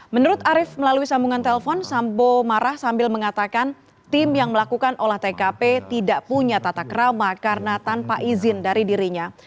menurut arief melalui sambungan telpon sambo marah sambil mengatakan tim yang melakukan olah tkp tidak punya tatak rama karena tanpa izin dari dirinya